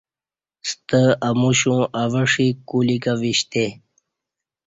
ستہ اموشیوں اوہ ݜی کلیکں وشتہ